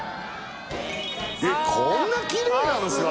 こんなきれいなんですか？